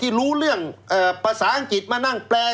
รู้เรื่องภาษาอังกฤษมานั่งแปล